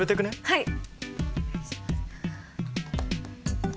はい。